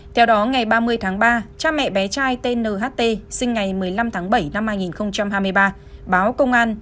theo đó ngày ba mươi tháng ba cha mẹ bé trai tt sinh ngày một mươi năm tháng bảy năm hai nghìn hai mươi ba báo công an